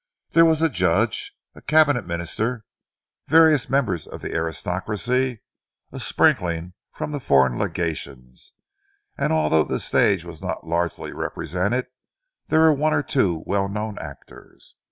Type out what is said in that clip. There was a judge, a Cabinet Minister, various members of the aristocracy, a sprinkling from the foreign legations, and although the stage was not largely represented, there were one or two well known actors.